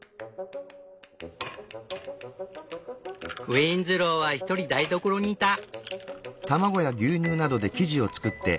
ウィンズローはひとり台所にいた。